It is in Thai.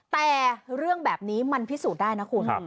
แต่เรื่องแบบนี้มันพิสูจน์ได้นะคุณ